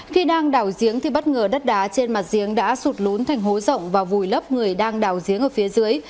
khi đang đào giếng thì bất ngờ đất đá trên mặt giếng đã sụt lún thành hố rộng và vùi lấp người đang đào giếng ở phía dưới